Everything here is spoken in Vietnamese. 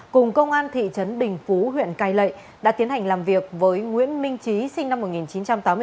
cùng công an thị trấn bình phú huyện cai lệ đã tiến hành làm việc với nguyễn minh trí sinh năm một nghìn chín trăm tám mươi bốn